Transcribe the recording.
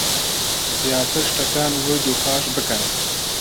زیاتر شتەکان ورد و خاش بکەن